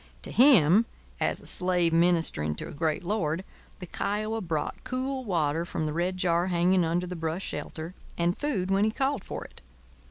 To him, as a slave ministering to a great lord, the Kiowa brought cool water from the red jar hanging under the brush shelter, and food when he called for it.